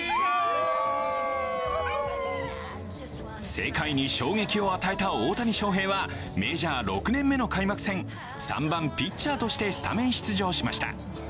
世界に衝撃を与えた大谷翔平は、メジャー６年目の開幕戦、３番・ピッチャーとしてスタメン出場しました。